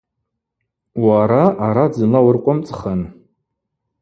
Уара арат зынла уыркъвымцӏхын.